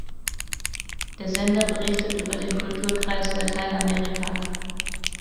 Der Sender berichtet über den Kulturkreis Lateinamerika.